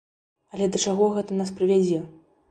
Але да чаго гэта нас прывядзе?